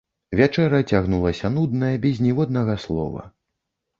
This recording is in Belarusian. Вячэра цягнулася нудна, без ніводнага слова.